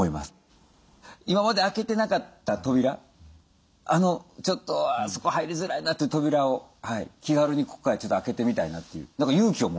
今まで開けてなかった扉ちょっとあそこ入りづらいなという扉を気軽にここからちょっと開けてみたいなという勇気をもらいました。